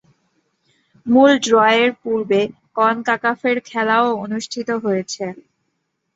মূল ড্রয়ের পূর্বে কনকাকাফের খেলা-ও অনুষ্ঠিত হয়েছে।